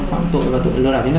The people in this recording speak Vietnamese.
huy phạm pháp luật